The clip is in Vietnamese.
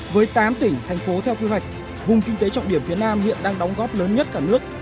với tám tỉnh thành phố theo kế hoạch vùng kinh tế trọng điểm phía nam hiện đang đóng góp lớn nhất cả nước